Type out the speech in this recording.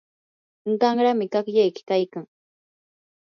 qanrami qaqllayki kaykan.